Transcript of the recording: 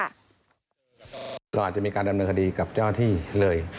เราอาจจะมีการดำเนินคดีกับเจ้าหน้าที่เลย